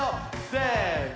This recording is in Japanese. せの！